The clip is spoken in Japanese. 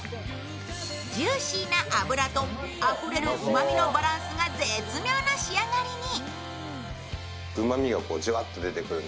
ジューシーな脂とあふれるうまみのバランスが絶妙な仕上がりに。